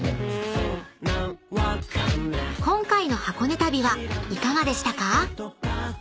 ［今回の箱根旅はいかがでしたか？］